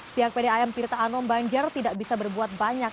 pihak pdam tirta anom banjar tidak bisa berbuat banyak